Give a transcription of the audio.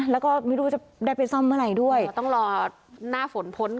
ละก็ไม่รู้จะได้ไปซ่อมเมื่อไหร่ด้วยว่าต้องลอน่าฝนพ้นก่อนอ่ะ